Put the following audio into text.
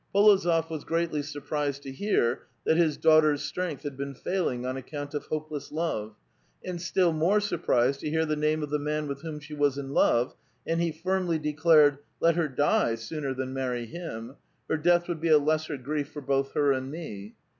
r61ozof was greatly surprised to hear that his di..ughter's strength had been failing on account of hopeless love ; and still more sur prised to hear the name of the man with whom she was in love, and he (irmly declared :" Let her die sooner than marry him. Her death would be a lesser grief for both her and me."